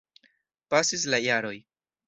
Pasis la jaroj.